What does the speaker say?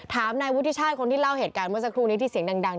นายวุฒิชาติคนที่เล่าเหตุการณ์เมื่อสักครู่นี้ที่เสียงดัง